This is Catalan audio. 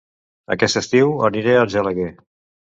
Aquest estiu aniré a Argelaguer